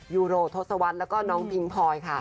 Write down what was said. ยูโรทศวรรษแล้วก็น้องพิงพลอยค่ะ